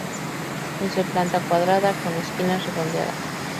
Es de planta cuadrada, con esquinas redondeadas.